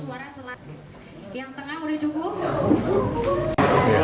yang tengah udah cukup